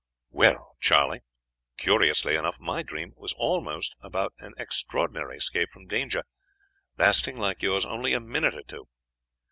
"'Well, Charley, curiously enough my dream was also about an extraordinary escape from danger, lasting, like yours, only a minute or two.